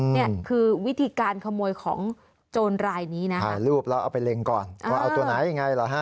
นี่คือวิธีการขโมยของโจรรายนี้นะถ่ายรูปแล้วเอาไปเล็งก่อนว่าเอาตัวไหนยังไงเหรอฮะ